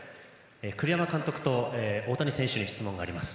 栗山監督と大谷選手に質問があります。